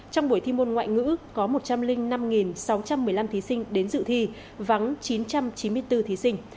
trong buổi thi môn ngoại ngữ có một trăm linh năm sáu trăm một mươi năm thí sinh đến dự thi vắng chín trăm chín mươi bốn thí sinh